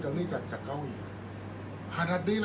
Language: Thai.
อันไหนที่มันไม่จริงแล้วอาจารย์อยากพูด